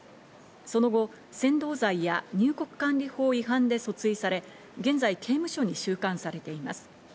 その後、扇動罪や入国管理法違反で訴追され、現在、刑務所に収監されています。